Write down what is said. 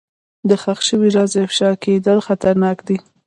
د ښخ شوي راز افشا کېدل خطرناک دي.